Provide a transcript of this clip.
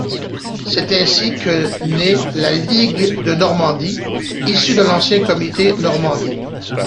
C'est ainsi que naît la Ligue de Normandie issue de l'ancien comité Normandie.